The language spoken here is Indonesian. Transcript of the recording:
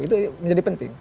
itu menjadi penting